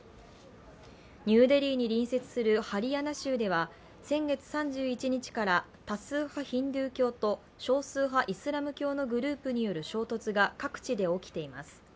ニューデリーに隣接するハリヤナ州では先月３１日から多数派ヒンズー教と、少数派イスラム教のグループによる衝突が各地で起きています。